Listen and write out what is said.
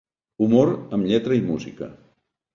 Humor amb lletra i música.